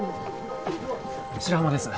白浜です